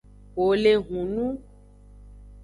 Wole hunun.